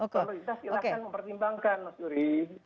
kalau bisa silahkan mempertimbangkan mas yuri